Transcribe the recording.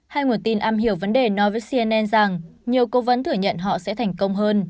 hai nguồn tin am hiểu vấn đề nói với cnn rằng nhiều cố vấn thử nhận họ sẽ thành công hơn